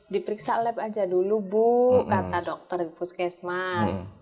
diperiksa lab aja dulu bu kata dokter di puskesmas